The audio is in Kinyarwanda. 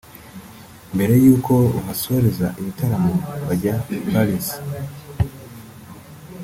mbere y'uko bahasoreza ibitaramo bajya i Paris